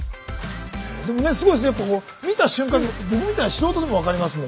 でもねすごいですね見た瞬間に僕みたいな素人でも分かりますもん。